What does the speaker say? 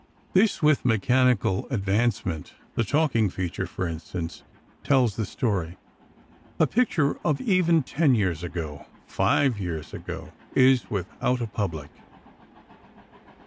This, with mechanical advancement—the talking feature, for instance—tells the story. A picture of even ten years ago—five years ago—is without a public.